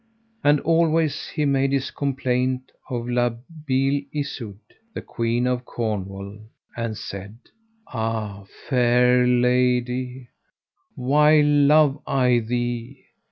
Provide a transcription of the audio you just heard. And always he made his complaint of La Beale Isoud, the Queen of Cornwall, and said: Ah, fair lady, why love I thee!